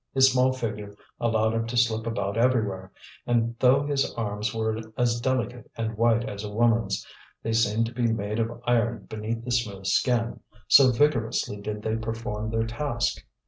His small figure allowed him to slip about everywhere, and though his arms were as delicate and white as a woman's, they seemed to be made of iron beneath the smooth skin, so vigorously did they perform their task.